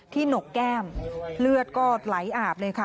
หนกแก้มเลือดก็ไหลอาบเลยค่ะ